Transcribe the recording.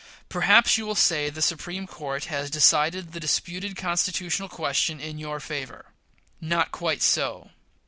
Perhaps you will say the Supreme Court has decided the disputed constitutional question in your favor. Not quite so.